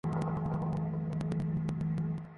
আমাদের সব চাকর উঁচু জাতের।